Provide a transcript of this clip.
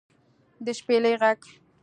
د شپېلۍ غږ